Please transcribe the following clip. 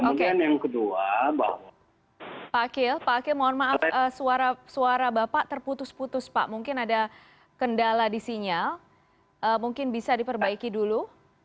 dan yang kedua pak akil mohon maaf suara bapak terputus putus pak mungkin ada kendala di sinyal mungkin bisa diperbaiki dulu